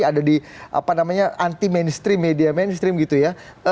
ada di apa namanya anti mainstream media mainstream gitu ya